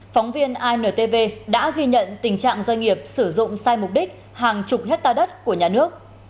phóng viên intv đã ghi nhận tình trạng doanh nghiệp sử dụng sai mục đích hàng chục hectare đất của nhà nước